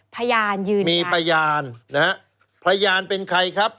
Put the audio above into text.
พยานยืนยันมีพยานนะฮะพยานเป็นใครครับ